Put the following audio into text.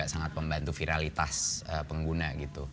yang sangat membantu viralitas pengguna